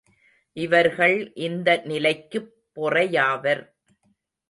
இவர்கள் இந்த நிலக்குப் பொறையாவர்.